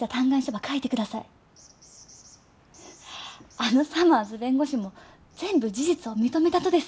あのサマーズ弁護士も全部事実を認めたとです。